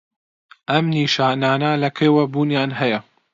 ئەم نیشانانه لە کەیەوە بوونیان هەیە؟